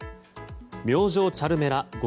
明星チャルメラ５